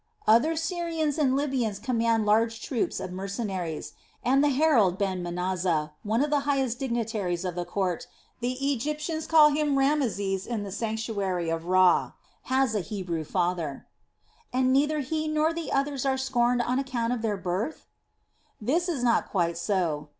"Other Syrians and Libyans command large troops of mercenaries, and the herald Ben Mazana, one of the highest dignitaries of the court the Egyptians call him Rameses in the sanctuary of Ra has a Hebrew father." "And neither he nor the others are scorned on account of their birth?" "This is not quite so.